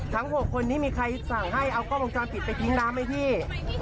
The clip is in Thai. ทั้ง๖คนที่มีใครสั่งให้เอาก้อมงจรปิดไปทิ้งด้านไหมพี่